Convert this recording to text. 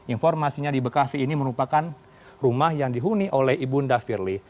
informasinya di bekasi ini merupakan rumah yang dihuni oleh ibu nda firly